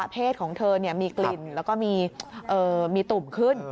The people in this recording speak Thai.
เพศของเธอมีกลิ่นแล้วก็มีตุ่มขึ้น